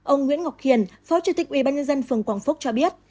ông nguyễn ngọc hiền phó chủ tịch ubnd phường quảng phúc cho biết